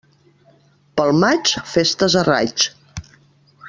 Pel maig, festes a raig.